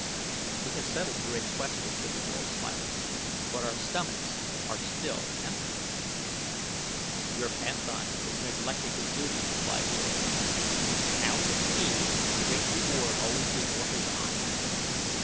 "We have settled a great question," said the girl, smiling; "but our stomachs are still empty." "Your panthan is neglecting his duty," replied Turan; "and how can he with the great reward always before his eyes!"